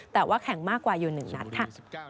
แต่ว่าแข่งมากกว่าอยู่๑นัดค่ะ